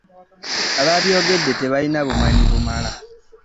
Abaabyogedde tebalina bumanyi bumala.